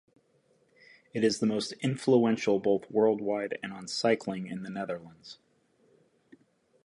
It is the most influential both worldwide and on cycling in the Netherlands.